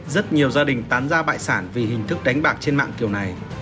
rất nhiều gia đình tán ra bại sản vì hình thức đánh bạc trên mạng kiểu này